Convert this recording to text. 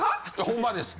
ほんまです